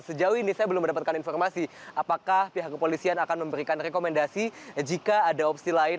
sejauh ini saya belum mendapatkan informasi apakah pihak kepolisian akan memberikan rekomendasi jika ada opsi lain